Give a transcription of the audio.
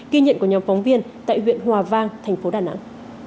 ghi nhận của nhóm phóng viên tại huyện hòa vang thành phố đà nẵng